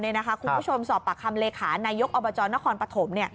คุณผู้ชมสอบปากคำเลขานายกอบจนครปฐม